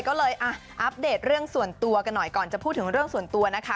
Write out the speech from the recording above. ก็เลยอัปเดตเรื่องส่วนตัวกันหน่อยก่อนจะพูดถึงเรื่องส่วนตัวนะคะ